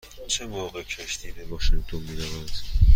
چه موقع کشتی به واشینگتن می رود؟